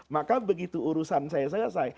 maka begitu urusan saya selesai